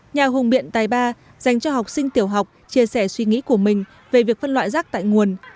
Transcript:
nhà hùng biện tài ba dành cho học sinh tiểu học chia sẻ suy nghĩ của mình về việc phân loại rác tại nguồn